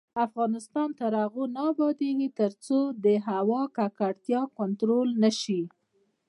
افغانستان تر هغو نه ابادیږي، ترڅو د هوا ککړتیا کنټرول نشي.